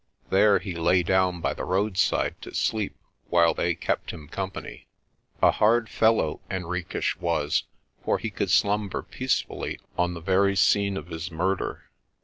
There he lay down by the roadside to sleep while they kept him company. 226 PRESTER JOHN A hard fellow Henriques was, for he could slumber peace fully on the very scene of his murder.